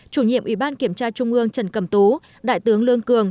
chủ nhiệm ủy ban kiểm tra trung ương trần cầm tú đại tướng lương cường